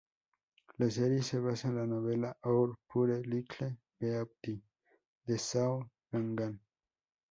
La serie se basa en la novela "Our Pure Little Beauty" de Zhao Gangan.